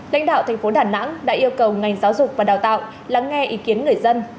lãnh đạo thành phố đà nẵng đã yêu cầu ngành giáo dục và đào tạo lắng nghe ý kiến người dân